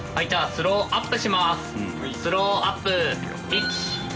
スローアップ。